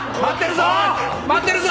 待ってるぞ！